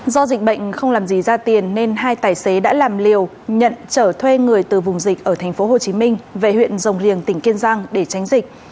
do dịch bệnh không làm gì ra tiền nên hai tài xế đã làm liều nhận trở thuê người từ vùng dịch ở tp hcm về huyện rồng riềng tỉnh kiên giang để tránh dịch